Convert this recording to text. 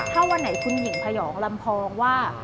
ถ้าวันไหนคุณหญิงพยองลำพองว่า